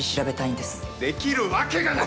できるわけがない！